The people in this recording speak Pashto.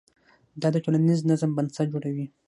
دا د ټولنیز نظم بنسټ جوړوي.